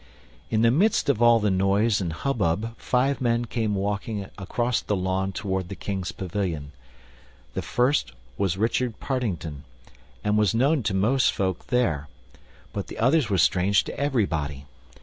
In the midst of all the noise and hubbub five men came walking across the lawn toward the King's pavilion. The first was Richard Partington, and was known to most folk there, but the others were strange to everybody.